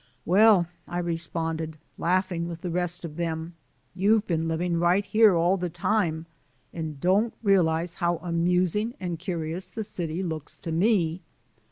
"Well," I responded, laughing with the best of them, "you've been living right here all the time, and don't realize how amusing and curious the city looks to me.